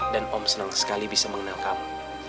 dan om senang sekali bisa mengenal kamu